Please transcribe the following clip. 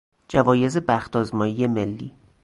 جوایز بخت آزمایی ملی